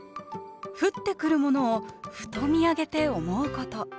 降ってくるものをふと見上げて思うこと。